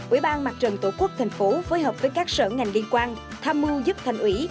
ủy ban mặt trận tổ quốc thành phố phối hợp với các sở ngành liên quan tham mưu giúp thành ủy